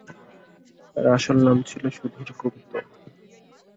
তার আসল নাম ছিল সুধীর গুপ্ত।